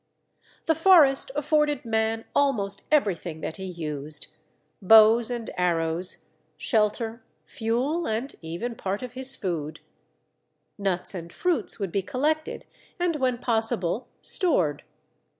The forest afforded man almost everything that he used, bows and arrows, shelter, fuel, and even part of his food. Nuts and fruits would be collected and when possible stored.